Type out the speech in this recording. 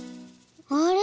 あれ？